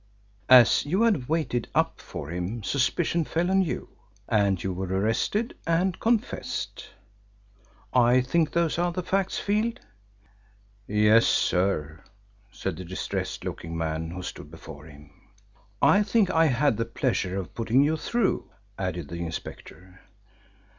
As you had waited up for him suspicion fell on you, and you were arrested and confessed. I think those are the facts, Field?" "Yes, sir," said the distressed looking man who stood before him. "I think I had the pleasure of putting you through," added the inspector.